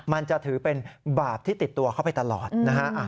มันจะถือเป็นบาปที่ติดตัวเข้าไปตลอดนะฮะ